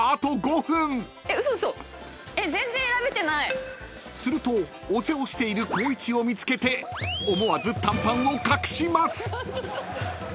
嘘⁉嘘⁉［するとお茶をしている光一を見つけて思わず短パンを隠します］